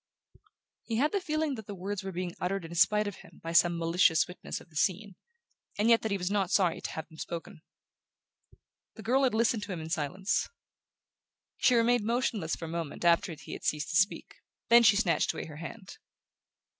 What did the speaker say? He had the feeling that the words were being uttered in spite of him by some malicious witness of the scene, and yet that he was not sorry to have them spoken. The girl had listened to him in silence. She remained motionless for a moment after he had ceased to speak; then she snatched away her hand.